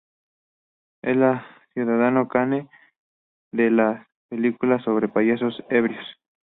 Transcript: Es el "Ciudadano Kane" de las películas sobre payasos ebrios".